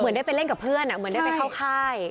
ได้ไปเล่นกับเพื่อนเหมือนได้ไปเข้าค่าย